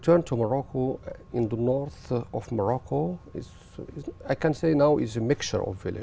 quay trở về morocco ở phía tây của morocco tôi có thể nói là nó là một hộp hộp của quốc gia